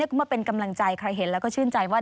มาเป็นกำลังใจใครเห็นแล้วก็ชื่นใจว่า